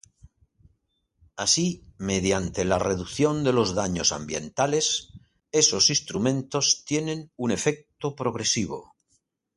Así, mediante la reducción de los daños ambientales, esos instrumentos tienen un efecto progresivo.